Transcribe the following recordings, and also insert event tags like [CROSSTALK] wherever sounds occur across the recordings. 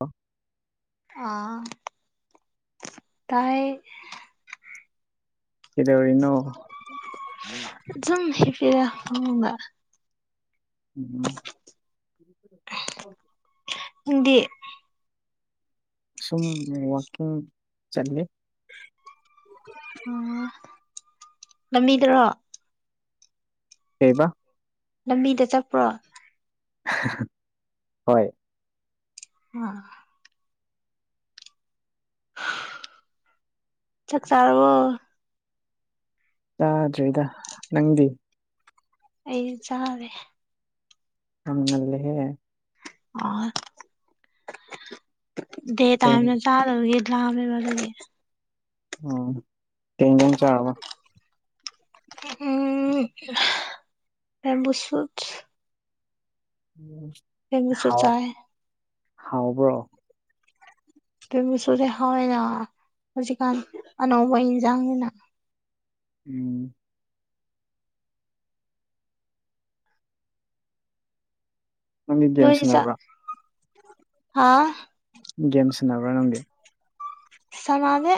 ꯑ ꯑ ꯇꯥꯏ ꯀꯗꯧꯔꯤꯅꯣ ꯁꯨꯝ ꯍꯕꯤꯔ ꯐꯉꯕ ꯎꯝ ꯏꯤꯟꯗꯤ ꯁꯨꯝ ꯋꯥꯋꯀꯤꯡ ꯆꯠ ꯑꯣ ꯂꯝꯕꯤꯗꯔꯣ ꯀꯩꯕ ꯂꯝꯕꯤꯗ ꯆꯠꯄ꯭ꯔꯣ ꯍꯣꯏ ꯑ ꯆꯥꯛ ꯆꯥꯔꯣ ꯂꯗꯣꯏꯗ ꯅꯪꯗꯤ ꯑꯩ ꯆꯥꯔꯦ ꯅꯪꯂꯍꯦ ꯑ ꯗꯦ ꯀꯩ ꯇꯅ ꯇꯒꯦ ꯏꯗ ꯂꯦ ꯎꯝ ꯇꯗꯝ ꯆꯥꯕ ꯎꯝ ꯕꯦꯝꯕꯨ ꯁꯨꯠ ꯍꯥꯎ ꯆꯥꯏ ꯍꯥꯎꯕ꯭ꯔꯣ ꯇ ꯃꯁꯨꯁꯦ ꯍꯥꯎꯋꯦꯅ ꯍꯧꯖꯤꯛꯀꯥꯟ ꯑꯅꯧꯕ ꯏꯟꯁꯥꯡꯅꯤꯅ ꯎꯝ ꯅꯪꯗꯤ ꯒꯦꯝ ꯅꯣꯏꯗꯤ ꯆꯥꯛ ꯁꯥꯟꯅꯕ꯭ꯔꯥ ꯍꯥꯥ ꯒꯦꯝꯁꯅꯕ꯭ꯔ ꯅꯪꯗꯤ ꯁꯗꯦ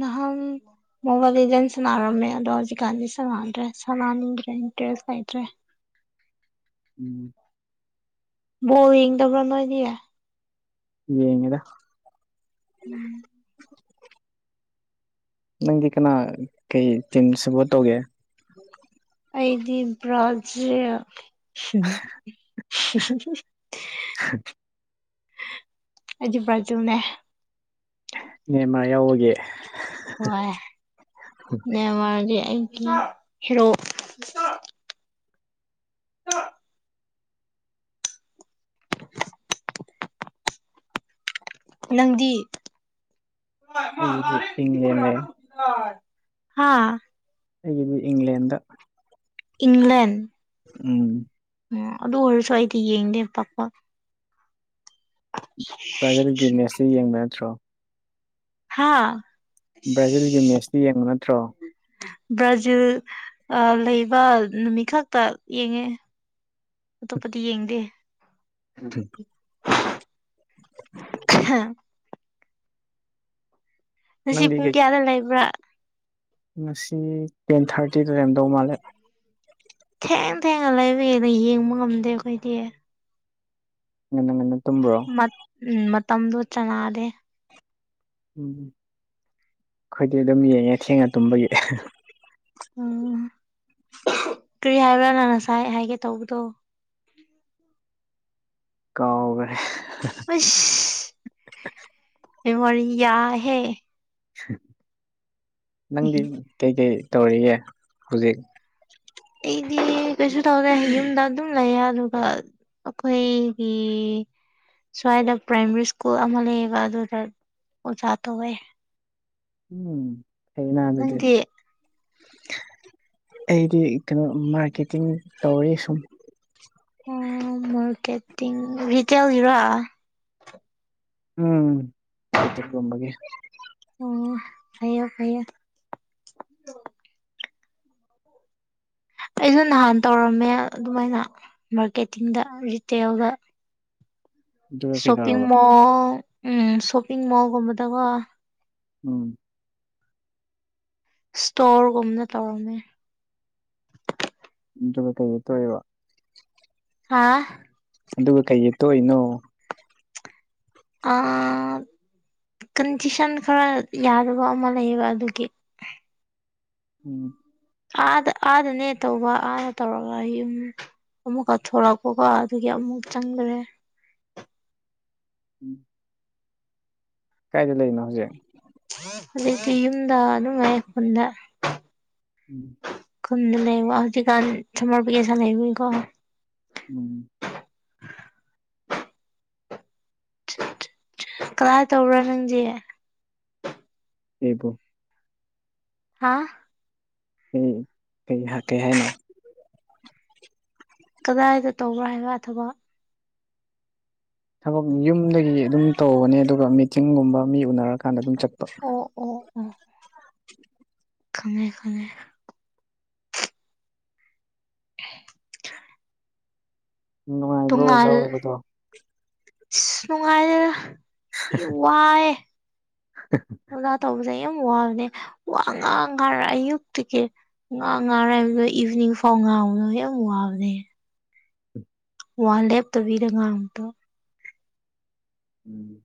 ꯅꯍꯟ ꯃꯣꯕꯥꯏꯜ ꯂꯤꯖꯟ ꯁꯥꯟꯅꯔꯝꯃꯦ ꯑꯗꯣ ꯍꯧꯖꯤꯛꯀꯥꯟꯗꯤ ꯁꯥꯟꯅꯗ꯭ꯔꯦ ꯁꯥꯟꯅꯅꯤꯡꯗ꯭ꯔꯦ ꯏꯟꯇꯔꯦꯁ ꯂꯩꯇ꯭ꯔꯦ ꯎꯝ ꯕꯣꯜ ꯌꯦꯡꯗꯕꯔ ꯅꯣꯏꯗꯦ ꯌꯦꯉꯗ ꯎꯝ ꯅꯪꯗꯤ ꯀꯅꯥ ꯀꯩ ꯇꯤꯝ ꯁꯄꯣꯔꯠ ꯇꯧꯒꯦ ꯎꯝ ꯑꯩꯗꯤ ꯕ꯭ꯔꯥꯖꯤꯜ ꯍ ꯑꯩꯗꯤ ꯕꯔꯖꯤꯜꯅꯦ ꯅꯦꯃꯥꯔ ꯌꯥꯎꯕꯒꯦ ꯍꯣꯏ ꯌꯥꯝ ꯃꯔꯗꯤ ꯑꯩꯒꯤ ꯍꯔꯣ ꯑ [INAUDIBLE] ꯅꯪꯗꯤ ꯑꯩꯒꯤꯗꯤ ꯏꯪꯂꯦꯟ ꯂꯩ ꯍꯥꯥ ꯑꯩꯒꯤꯗꯤ ꯏꯪꯂꯦꯟꯗ ꯏꯪꯂꯦꯟ ꯎꯝ ꯎꯝ ꯑꯗꯨ ꯑꯣꯏꯔꯁꯨ ꯑꯩꯗꯤ ꯌꯦꯡꯗꯦ ꯄꯥꯛ ꯄꯥꯛ ꯁ [UNINTELLIGIBLE] ꯄꯥꯏꯗꯔꯒꯤ ꯃꯦꯠꯁꯇ ꯌꯦꯡꯕ ꯅꯠꯇ꯭ꯔꯣ [UNINTELLIGIBLE] ꯍꯥꯥ ꯕ꯭ꯔꯥꯖꯤꯜꯒꯤ ꯃꯦꯠꯁꯇꯤ ꯌꯦꯡꯕ ꯅꯠꯇ꯭ꯔꯣ ꯕ꯭ꯔꯥꯖꯤꯜ ꯂꯩꯕ ꯅꯨꯃꯤꯠ ꯈꯛꯇ ꯌꯦꯡꯉꯦ ꯑꯇꯣꯞꯄꯗꯤ ꯌꯦꯡꯗꯦ ꯊ [UNINTELLIGIBLE] ꯍꯥꯝ [UNINTELLIGIBLE] ꯉꯁꯤ ꯅꯪꯗꯤ ꯄꯨꯡ ꯀꯩ ꯀꯌꯥꯗ ꯂꯩꯕ꯭ꯔꯥ ꯉꯁꯤ ꯇꯦꯟ ꯊꯥꯔꯇꯤꯗ ꯂꯩꯔꯝꯗꯧ ꯃꯥꯜꯂꯦ ꯊꯦꯡ ꯊꯦꯡꯅ ꯂꯥꯏꯕꯦꯅ ꯌꯦꯡꯕ ꯉꯝꯗꯦ ꯑꯩꯈꯣꯏꯗꯤ ꯉꯟꯅ ꯉꯟꯅ ꯇꯨꯝꯕꯔꯣ ꯎꯝ ꯃꯇꯝꯗꯣ ꯆꯅꯥꯗꯦ ꯎꯝ ꯑꯩꯈꯣꯏꯗꯤ ꯑꯗꯨꯝ ꯌꯦꯡꯉꯦ ꯊꯦꯡꯅ ꯇꯨꯝꯕꯒꯤ ꯎꯝ ꯀꯔꯤ ꯍꯥꯏꯕ꯭ꯔꯥ ꯅꯪ ꯉꯁꯥꯏ ꯍꯥꯏꯒꯦ ꯇꯧꯕꯗꯣ ꯀꯥꯎꯒꯔꯦ ꯑꯁ ꯃ ꯃꯔꯤ [UNINTELLIGIBLE] ꯌꯥ ꯍꯦ ꯅꯪꯗꯤ ꯀꯩꯀꯩ ꯇꯧꯔꯤꯒ‌ꯦ ꯍꯧꯖꯤꯛ ꯑꯩꯗꯤ ꯀꯩꯁꯨ ꯇꯧꯗ‌ꯦ ꯌꯨꯝꯗ ꯑꯗꯨꯝ ꯂꯩꯌꯦ ꯑꯗꯨꯒ ꯑꯈꫭꯏꯒꯤ ꯁ꯭ꯋꯥꯏꯗ ꯄ꯭ꯔꯥꯏꯃꯥꯔꯤ ꯁ꯭ꯀꯨꯜ ꯑꯃ ꯂꯩꯌꯦꯕ ꯑꯗꯨꯗ ꯑꯣꯖꯥ ꯇꯧꯋꯦ ꯎꯝ ꯐꯩꯅꯥ ꯑꯗꯨꯗꯤ ꯅꯪꯗꯤ ꯑꯩꯗꯤ ꯀꯩꯅꯣ ꯃꯥꯔꯀꯦꯇꯤꯡ ꯇꯧꯋꯦ ꯁꯨꯝ ꯑꯣ ꯃꯔꯀꯦꯇꯤꯠ ꯔꯤꯇꯦꯜꯒꯤꯔꯥ ꯎꯝ ꯔꯤꯇ‌ꯦꯜꯒꯨꯝꯕꯒꯤ ꯑꯪ ꯐꯩꯌꯦ ꯐꯩꯌꯦ ꯑꯩꯖꯨ ꯅꯍꯥꯟ ꯇꯧꯔꯝꯃꯦ ꯑꯗꯨꯃꯥꯏꯅ ꯃꯥꯔꯀꯦꯇꯤꯡꯗ ꯔꯤꯇꯦꯜꯗ ꯑꯗꯨꯒ ꯁꯣꯞꯄꯤꯡ ꯀꯩꯗꯧꯔꯕ ꯃꯣꯜ ꯎꯝ ꯁꯣꯞꯄꯤꯡ ꯃꯣꯜꯒꯨꯝꯕꯗꯒꯣ ꯎꯝ ꯏꯁꯇꯣꯔꯒꯨꯝꯅ ꯇꯧꯔꯝꯃꯦ ꯑꯗꯨꯒ ꯀꯩꯒꯤ ꯇꫭꯛꯏꯕ ꯍꯥꯥ ꯑꯗꯨꯒ ꯀꯩꯒꯤ ꯇꫭꯛꯏꯅꯣ ꯑ ꯀꯟꯗꯤꯁꯟ ꯈꯔ ꯌꯥꯗꯕ ꯑꯃ ꯂꯩꯌꯦꯕ ꯑꯗꯨꯒꯤ ꯎꯝ ꯑꯥꯗ ꯑꯥꯗꯅꯦ ꯇꯧꯕ ꯑꯗꯥ ꯇꯧꯔꯒ ꯌꯨꯝ ꯑꯃꯨꯛꯀ ꯊꯣꯔꯛꯄꯀꯣ ꯑꯗꯨꯒꯤ ꯑꯃꯨꯛ ꯆꯪꯒꯔꯦ ꯎꯝ ꯀꯥꯏꯗ ꯂꯩꯅꯣ ꯍꯧꯖꯤꯛ ꯍꯨꯖꯤꯛꯇꯤ ꯌꯨꯝꯗ ꯅꯨꯡꯉꯥꯏ [UNINTELLIGIBLE] ꯑꯩ ꯐꯝꯗ [UNINTELLIGIBLE] ꯎꯝ ꯈꯨꯟꯗ ꯂꯩꯕ ꯍꯧꯖꯤꯛꯀꯥꯟ ꯁꯃꯔ ꯕꯦꯑꯦꯁꯟ ꯂꯩꯕꯅꯤꯅꯀꯣ ꯎꯝ ꯀꯗꯥꯏꯗ ꯇꯧꯕꯔꯥ ꯅꯪꯗꯤ ꯑꯦꯕꯨ [UNINTELLIGIBLE] ꯍꯥꯥ ꯎꯝ ꯀꯩꯍ ꯀꯩ ꯍꯥꯏꯅꯣ ꯀꯗꯥꯏꯗ ꯇꯧꯕ꯭ꯔꯥ ꯍꯥꯏꯕ ꯊꯕ ꯊꯕꯛ ꯌꯨꯝꯗꯒꯤ ꯑꯗꯨꯝ ꯇꯧꯕꯅꯦ ꯑꯗꯨꯒ ꯃꯤꯇꯤꯡꯒꯨꯝꯕ ꯃꯤ ꯎꯅꯔꯀꯥꯟꯗ ꯑꯗꯨꯝ ꯆꯠꯄ ꯑꯣ ꯑꯣ ꯑ ꯈꯪꯉꯦ ꯈꯪꯉꯦ [INAUDIBLE] ꯅꯨꯡꯉꯥꯏꯕ꯭ꯔꯣ ꯑꯣꯖꯥ ꯇꯨꯡꯉꯜ ꯑꯣꯏꯕꯗꯣ ꯅꯨꯡꯉꯥꯏꯌꯦꯜ ꯏ ꯋꯥꯏ ꯑꯣꯖꯥ ꯇꯧꯕꯖꯦ ꯌꯥꯝ ꯋꯥꯕꯅꯦ ꯋꯥ ꯉꯥꯡ ꯈꯔ ꯑꯌꯨꯛꯇꯤꯒꯤ ꯉꯥ ꯉꯥꯔ [INAUDIBLE] ꯏꯚꯅꯤꯡ ꯐꯥꯎ ꯉꯥꯎꯕꯗꯣ ꯌꯥꯝ ꯋꯥꯕꯅꯦ ꯋꯥ ꯂꯦꯞꯇꯕꯤꯗ ꯉꯥꯡꯕꯗꯣ ꯎꯝ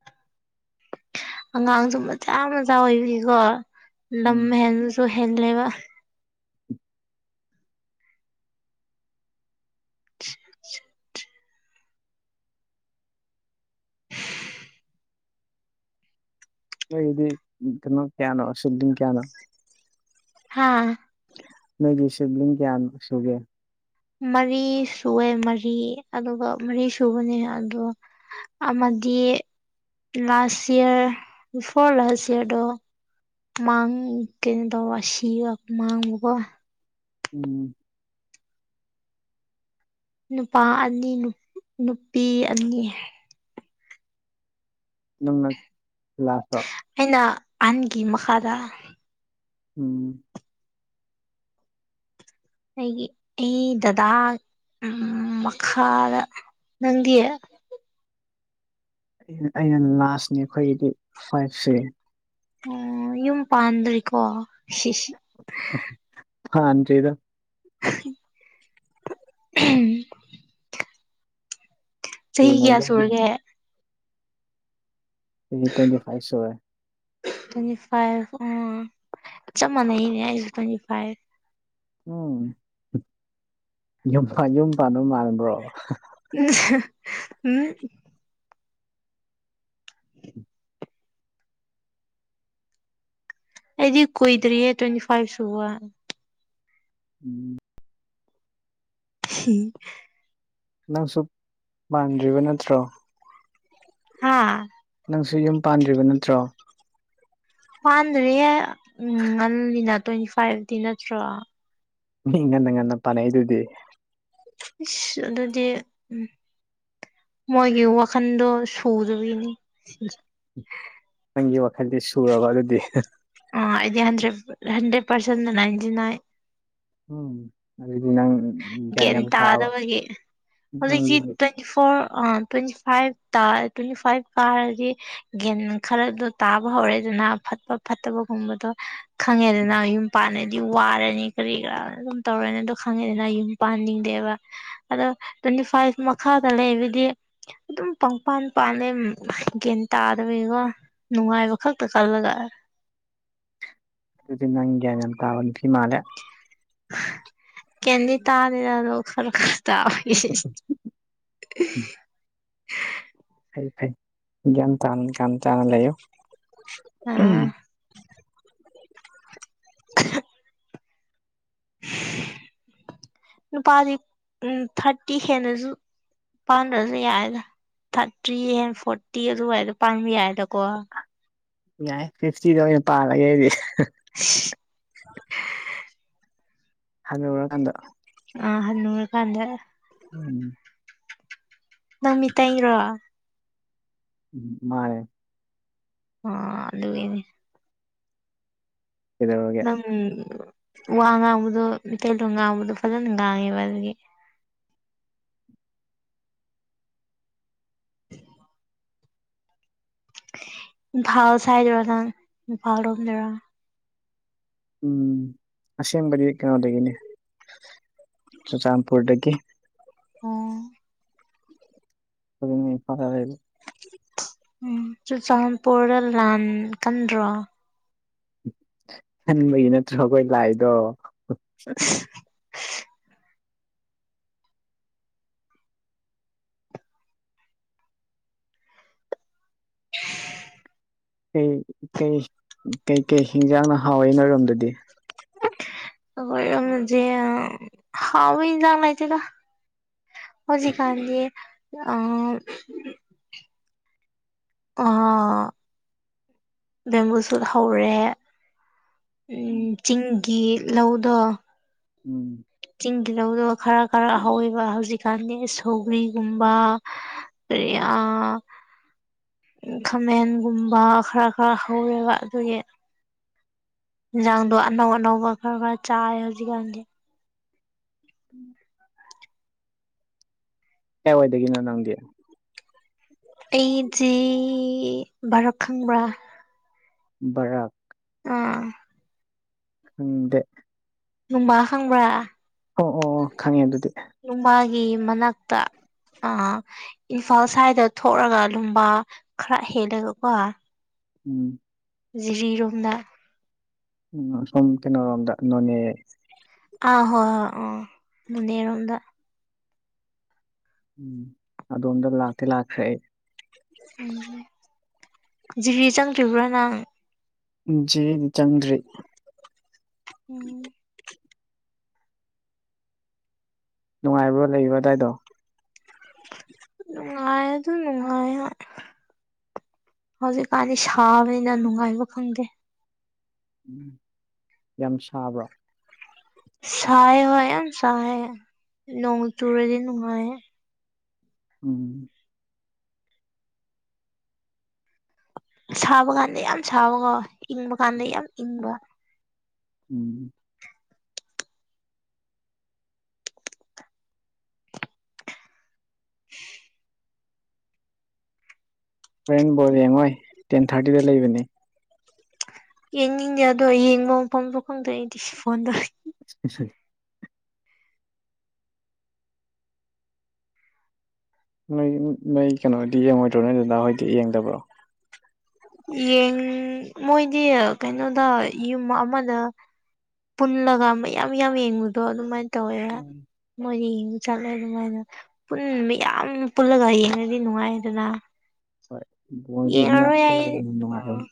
ꯑꯉꯥꯡꯁꯨ ꯃꯆꯥ ꯃꯆꯥ ꯑꯣꯏꯕꯒꯤꯒꯣ ꯂꯝ ꯍꯦꯟꯕꯁꯨ ꯍꯦꯟꯗꯔꯦꯕ ꯅꯣꯏꯗꯤ ꯀꯩꯅꯣ ꯀꯌꯥꯅꯣ ꯁꯨꯗꯤꯜ ꯀꯌꯥꯅꯣ ꯍꯥꯥ ꯅꯣꯏꯗꯤ ꯁꯦꯕꯤꯂꯤꯡ ꯀꯌꯥꯝ ꯁꯨꯒꯦ ꯃꯔꯤ ꯁꯨꯋꯦ ꯃꯔꯤ ꯑꯗꯨꯒ ꯃꯔꯤ ꯁꯨꯕꯅꯤ ꯑꯗꯣ ꯑꯃꯗꯤ ꯂꯥꯁ ꯍꯤꯌꯥꯔ ꯕꯤꯐꯣꯔ ꯂꯥꯁ ꯍꯤꯌꯔꯗꯣ ꯃꯥꯡ ꯀꯤꯟ ꯇꯧꯕ ꯁꯤꯕ ꯃꯥꯡꯕꯒꯣ ꯎꯝ ꯅꯨꯄꯥ ꯑꯅꯤ ꯅꯨꯞ ꯅꯨꯄꯤ ꯑꯅꯤ ꯅꯪꯅꯠ ꯂꯥꯁꯠꯔꯣ ꯑꯩꯅ ꯑꯟꯒꯤ ꯃꯈꯥꯗ ꯎꯝ ꯑꯩꯒꯤ ꯑꯩ ꯗꯗꯥ ꯑꯝ ꯃꯈꯥꯗ ꯅꯪꯗꯤ ꯑꯩꯅ ꯂꯥꯁꯅꯤ ꯑꯈꯣꯏꯒꯤꯗꯤ ꯐꯥꯏꯚꯁꯦ ꯑꯣ ꯌꯨꯝ ꯄꯥꯟꯗ꯭ꯔꯤꯀꯣ ꯁꯤꯁꯤ ꯄꯥꯟꯗ꯭ꯔꯤꯗ ꯎꯝ ꯆꯍꯤ ꯀꯩꯅꯣ ꯀꯌꯥ ꯌꯨꯝ ꯁꯨꯔꯒꯦ ꯇ꯭ꯋꯦꯟꯤ ꯐꯥꯏꯚ ꯁꯨꯋꯦ ꯇ꯭ꯋꯦꯟꯇꯤ ꯐꯥꯏꯚ ꯑ ꯆꯞ ꯃꯥꯟꯅꯩꯅꯦ ꯑꯩꯁꯨ ꯇ꯭ꯋꯦꯟꯇꯤ ꯐꯥꯏꯚ ꯎꯝ ꯌꯨꯝ ꯌꯨꯝ ꯄꯥꯟꯅꯕ ꯃꯥꯟꯕ꯭ꯔꯣ ꯎꯝ ꯁꯥ ꯑꯩꯗꯤ ꯀꯨꯏꯗ꯭ꯔꯤꯌꯦ ꯇ꯭ꯋꯦꯟꯇꯤ ꯐꯥꯏꯚ ꯁꯨꯕ ꯎꯝ ꯍ ꯅꯪꯁꯨ ꯃꯥꯟꯗ꯭ꯔꯤꯕ ꯅꯠꯇ꯭ꯔꯣ ꯍꯥ ꯅꯪꯁꯨ ꯌꯨꯝ ꯄꯥꯟꯗ꯭ꯔꯤꯕ ꯅꯠꯇ꯭ꯔꯣ ꯄꯥꯟꯗ꯭ꯔꯦ ꯎꯝ ꯉꯜꯂꯤꯅ ꯇ꯭ꯋꯦꯟꯇꯤ ꯐꯥꯏꯚꯇꯤ ꯅꯠꯇ꯭ꯔꯣ ꯃꯤ ꯉꯟꯅ ꯉꯟꯅ ꯐꯥꯅꯩ ꯑꯗꯨꯗꯤ ꯏꯁꯁ ꯑꯗꯨꯗꯤ ꯎꯝ ꯃꯣꯏꯒꯤ ꯋꯥꯈꯜꯗꯣ ꯁꯨꯗꯔꯤꯅꯤ ꯅꯪꯒꯤ ꯋꯥꯈꯜꯗꯤ ꯁꯨꯔꯕ ꯑꯗꯨꯗꯤ ꯑꯣ ꯑꯩꯗꯤ ꯍꯟꯗ꯭ꯔꯦꯠ ꯍꯟꯗ꯭ꯔꯦꯠ ꯄꯔꯁꯦꯟꯅꯥꯏꯟꯇꯤ ꯅꯥꯏꯟ ꯎꯝ ꯑꯗꯨꯗꯤ ꯅꯪ ꯒ꯭ꯌꯥꯟ ꯌꯥꯝ ꯇꯥꯕ ꯇꯥꯗꯕꯒꯤ ꯍꯧꯖꯤꯛꯁꯤ ꯅꯪꯒꯤ ꯇ꯭ꯋꯦꯟꯇꯤ ꯐꯣꯔ ꯇ꯭ꯋꯦꯟꯇꯤ ꯐꯥꯏꯚꯇ ꯇ꯭ꯋꯦꯟꯇꯤ ꯐꯥꯏꯚ ꯀꯥ ꯍꯥꯏꯔꯗꯤ ꯒꯟ ꯈꯔꯗꯣ ꯇꯥꯕ ꯍꯧꯔꯦ ꯑꯗꯨꯅ ꯐꯠꯄ ꯐꯠꯇꯕꯒꯨꯝꯕꯗꯣ ꯈꯪꯉꯦꯗꯅ ꯌꯨꯝ ꯄꯥꯟꯂꯗꯤ ꯋꯥꯔꯅꯤ ꯀꯔꯤ ꯀꯔꯥ ꯑꯗꯨꯝ ꯇꯧꯔꯅꯤ ꯑꯗꯨꯣ ꯈꯪꯉꯦꯗꯅ ꯌꯨꯝ ꯄꯥꯟꯅꯤꯡꯗꯦꯕ ꯑꯗꯣ ꯇ꯭ꯋꯦꯟꯇꯤ ꯐꯥꯏꯚ ꯃꯈꯥꯗ ꯂꯩꯕꯗꯤ ꯑꯗꯨꯝ ꯄꯪꯄꯥꯟ ꯄꯥꯂꯦ ꯒꯟ ꯇꯥꯗꯕꯤꯒ ꯅꯨꯡꯉꯥꯏ ꯋꯥꯈꯥꯛꯇ ꯇ ꯀꯜ ꯂ ꯑꯗꯨꯗꯤ ꯅꯪꯤꯦ ꯇꯥꯕ ꯐꯤꯃꯥꯂꯦ ꯀꯗꯤ ꯇꯥꯔꯦꯔꯗꯣ ꯈꯔ ꯈꯔ ꯇꯥꯕꯒꯤ ꯎꯝ ꯐꯩ ꯐꯩ ꯒ꯭ꯌꯥꯟ ꯇꯥꯅ ꯒ꯭ꯌꯥꯟ ꯇꯥꯅ ꯂꯩꯌꯣ ꯑ ꯎꯝ ꯑ ꯅꯨꯄꯥꯗꯤ ꯎꯝ ꯊꯥꯔꯇꯤ ꯍꯦꯅꯁꯨ ꯄꯥꯟꯗ꯭ꯔꯁꯨ ꯌꯥꯏꯗ ꯊꯥꯔꯇ꯭ꯔꯤ ꯍꯦꯟ ꯐꯣꯔꯇꯤ ꯑꯗꯨꯋꯥꯏꯗ ꯄꯥꯟꯕ ꯌꯥꯏꯗꯀꯣ ꯌꯥꯏ ꯐꯤꯐꯇꯤꯗ ꯑꯣꯏꯅ ꯄꯥꯜꯂꯒꯦ ꯑꯩꯗꯤ ꯍꯥꯏ ꯎꯔꯀꯥꯟꯗ ꯑ ꯍꯅꯨꯔ ꯀꯥꯟꯗ ꯎꯝ ꯅꯪꯃꯤ ꯇꯔꯣ ꯃꯥꯦ ꯑꯣ ꯑꯗꯨꯅꯦ ꯀꯩꯗꯧꯔꯒꯦ ꯅꯪ ꯋꯥ ꯉꯥꯡꯕꯗꯣ ꯏꯇꯩꯂꯣꯟ ꯉꯥꯡꯕꯗꯣ ꯐꯖꯅ ꯉꯥꯡꯉꯦꯕ ꯑꯗꯨꯒꯤ ꯐꯥꯎ ꯆꯥꯏꯗꯔ ꯇꯥꯎ ꯂꯝꯗꯔ ꯎꯝ ꯑꯁꯦꯡꯕꯗꯤ ꯀꯩꯅꯣꯗꯒꯤꯅꯤ ꯆꯨꯔꯆꯥꯟꯄꯨꯔꯗꯒꯤ ꯑꯣ ꯑꯗꯨ ꯐꯔ ꯍꯥꯏꯔ ꯎꯝ ꯆꯨꯔꯆꯥꯟꯥꯟꯄꯨꯔꯗ ꯂꯥꯟ ꯀꯟꯗ꯭ꯔꯣ ꯍꯟꯕꯒꯤ ꯅꯠꯇ꯭ꯔꯣ ꯑꯩꯈꯣꯏ ꯂꯥꯏꯗꯣ ꯀꯩ ꯀꯩ ꯀꯩꯀꯩ ꯍꯤꯟꯖꯥꯡꯅ ꯍꯥꯎꯏ ꯅꯣꯏꯔꯣꯝꯗꯗꯤ ꯁꯒꯖꯦ ꯍꯥꯎ ꯍ ꯆꯒꯥꯥꯏꯆꯦ ꯀ ꯍꯧꯖꯤꯛꯀꯥꯟꯒꯤ ꯑꯥ ꯑ ꯕꯦꯝꯕꯨ ꯁꯨꯠ ꯍꯧꯔꯦ ꯎ ꯎꯝ ꯆꯤꯡꯒꯤ ꯂꯧꯗꯣ ꯎꯝ ꯆꯤꯡ ꯇꯤꯍꯧꯗꯕ ꯈꯔ ꯈꯔ ꯍꯧꯋꯦꯕ ꯍꯧꯖꯤꯛꯀꯥꯟꯗꯤ ꯁꯧꯒ꯭ꯔꯤꯒꯨꯝꯕ ꯑ ꯑ ꯈꯥꯃꯦꯟꯒꯨꯝꯕ ꯈꯔ ꯈꯔ ꯍꯧꯋꯦꯕ ꯑꯗꯨꯒꯤ ꯌꯦꯟꯁꯥꯡꯗꯣ ꯑꯅꯧ ꯑꯅꯧꯕ ꯈꯔ ꯈꯔ ꯆꯥꯏ ꯍꯧꯖꯤꯛꯀꯥꯟꯗꯤ ꯎꯝ ꯀꯏꯋꯥꯏꯗꯒꯤꯅꯣ ꯅꯪꯗꯤ ꯑꯩꯁꯦ ꯚꯔꯛ ꯈꯪꯕ꯭ꯔꯥ ꯕꯔꯥꯛ ꯑꯥ ꯎꯝꯗꯦ ꯅꯨꯡꯕꯥ ꯈꯪꯕ꯭ꯔꯥ ꯑꯣ ꯑꯣ ꯑꯣ ꯈꯪꯉꯦ ꯑꯗꯨꯗꯤ ꯇꯨꯝꯕꯥꯒꯤ ꯃꯅꯥꯛꯇ ꯑꯥ ꯏꯝꯐꯥꯜ ꯁ꯭ꯋꯥꯏꯗ ꯊꯣꯛꯂꯒ ꯂꯨꯝꯕꯥ ꯈꯔ ꯍꯦꯜꯂꯒꯀꯣ ꯎꯝ ꯖꯤꯔꯤꯔꯣꯝꯅ ꯎꯝ ꯁꯨꯝ ꯀꯩꯅꯣꯔꯣꯝꯗ ꯅꯣꯅꯦ ꯑꯥ ꯍꯣꯏ ꯍꯣꯏ ꯑꯥ ꯅꯅꯦꯔꯣꯝꯗ ꯎꯝ ꯑꯗꯣꯝꯗ ꯂꯥꯛꯇꯤ ꯂꯥꯛꯈ꯭ꯔꯦ ꯑꯩ ꯎꯝ ꯖꯤꯔꯤ ꯆꯪꯗ꯭ꯔꯤꯕ꯭ꯔꯣ ꯅꯪ ꯖꯤꯔꯤꯗꯤ ꯆꯪꯗ꯭ꯔꯤ ꯎꯝ ꯅꯨꯡꯉꯥꯏꯕꯔꯣ ꯂꯩꯕ ꯑꯗꯥꯏꯗꯣ ꯅꯨꯡꯉꯥꯏꯌꯦ ꯑꯗꯨꯝ ꯅꯨꯡꯉꯥꯏ ꯍꯣꯏ ꯍꯧꯖꯤꯛꯀꯥꯟꯗꯤ ꯁꯥꯕꯅꯤꯅ ꯅꯨꯡꯉꯥꯏꯕ ꯈꯪꯗꯦ ꯎꯝ ꯌꯥꯝ ꯁꯥꯕ꯭ꯔꯣ ꯁꯥꯏꯌꯦ ꯍꯣꯏ ꯌꯥꯝ ꯁꯥꯏꯌꯦ ꯅꯣꯡ ꯆꯨꯔꯗꯤ ꯅꯨꯡꯉꯥꯏ ꯎꯝ ꯁꯥꯕ ꯀꯥꯟꯗ ꯌꯥꯝ ꯁꯥꯕꯀꯣ ꯏꯪꯕ ꯀꯥꯟꯗ ꯌꯥꯝ ꯏꯪꯕ ꯎꯝ [INAUDIBLE] ꯍꯣꯔꯦꯟ ꯕꯣꯜ ꯌꯦꯡꯉꯣꯏ ꯇꯦꯟ ꯊꯥꯔꯇꯤꯗ ꯂꯩꯕꯅꯦ ꯌꯦꯡꯅꯤꯡꯉꯦ ꯑꯗꯣ ꯌꯦꯡꯕ ꯃꯐꯃꯁꯨ ꯈꯪꯗꯦ ꯑꯩꯗꯤ ꯐꯣꯟꯗ ꯏꯁꯨ ꯅꯣꯏ ꯅꯣꯏ ꯀꯩꯅꯣꯗꯤ ꯌꯦꯡꯉꯣꯏꯗ꯭ꯔꯣ ꯅꯣꯏ ꯅꯅꯥꯎ ꯍꯣꯏꯗꯤ ꯌꯦꯡꯗꯕ꯭ꯔꯣ ꯌꯦꯡ ꯃꯣꯏꯗꯤ ꯀꯩꯅꯣꯗ ꯌꯨꯝ ꯑꯃꯗ ꯄꯨꯜꯂꯒ ꯃꯌꯥꯝ ꯃꯌꯥꯝ ꯌꯦꯡꯕꯗꯣ ꯑꯗꯨꯃꯥꯏ ꯇꯧꯋꯦꯕ ꯎꯝ ꯃꯣꯢꯗꯤ ꯌꯦꯡꯕꯥꯥ ꯆꯠꯂꯦ ꯑꯗꯨꯃꯥꯏꯅ ꯄꯨꯟ ꯃꯌꯥꯝ ꯄꯨꯜꯂꯒ ꯌꯦꯡꯉꯗꯤ ꯅꯨꯡꯉꯥꯏꯗꯅ ꯍꯣꯏ ꯕꯣꯟꯗꯥꯗꯤ ꯃꯌꯥꯝ ꯌꯦꯡꯉꯔꯣꯏ ꯄꯨꯜꯂꯒ ꯌꯦꯡꯕꯥ ꯅꯨꯡꯉꯥꯏꯌꯦ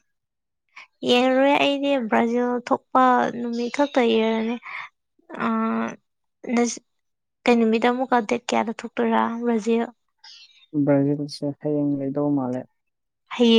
ꯌꯦꯡꯔꯔꯣꯏ ꯑꯩꯗꯤ ꯕ꯭ꯔꯥꯖꯤꯜ ꯊꯣꯛꯄ ꯅꯨꯃꯤꯠ ꯈꯛꯇ ꯌꯦꯔꯅꯤ ꯑꯥ [UNINTELLIGIBLE] ꯀꯩ ꯅꯨꯃꯤꯠꯇ ꯑꯃꯨꯛꯀ ꯗꯦꯠ ꯀꯌꯥꯗ ꯊꯣꯛꯇꯣꯏꯔ ꯕꯔ꯭ꯖꯤꯜ ꯕ꯭ꯔꯖꯤꯜꯁꯦ ꯍꯌꯦꯡ ꯂꯩꯗꯧ ꯃꯥꯜꯂꯦ ꯍꯩꯌꯦ